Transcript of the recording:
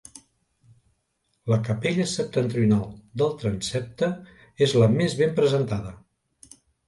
La capella septentrional del transsepte és la més ben preservada.